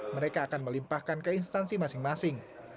mereka akan melimpahkan ke instansi masing masing